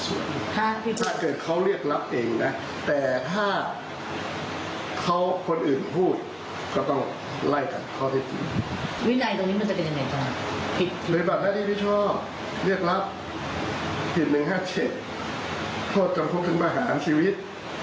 หรือแบบหน้าที่พี่ชอบเรียกรับผิด๑๕๗โทษจำควรถึงมาหาชีวิต